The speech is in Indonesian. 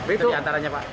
itu diantaranya pak